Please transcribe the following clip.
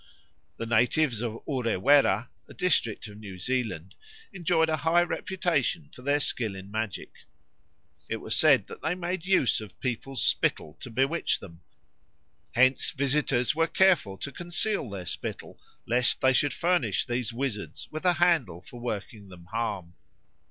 The natives of Urewera, a district of New Zealand, enjoyed a high reputation for their skill in magic. It was said that they made use of people's spittle to bewitch them. Hence visitors were careful to conceal their spittle, lest they should furnish these wizards with a handle for working them harm.